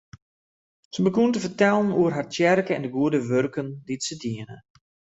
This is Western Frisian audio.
Se begûn te fertellen oer har tsjerke en de goede wurken dy't se dienen.